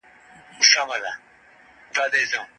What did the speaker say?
پر مځکي باندي واوره پرته وه.